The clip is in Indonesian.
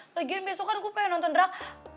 lagian besok kan gue pengen nonton drag